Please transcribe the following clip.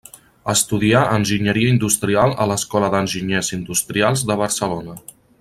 Estudià Enginyeria Industrial a l'Escola d'Enginyers Industrials de Barcelona.